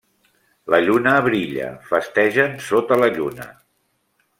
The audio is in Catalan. La lluna brilla, festegen sota la lluna.